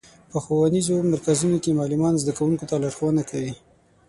په ښوونیزو مرکزونو کې معلمان زدهکوونکو ته لارښوونه کوي.